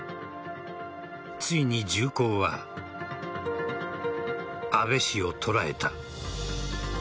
ついに銃口は安倍氏を捉えた。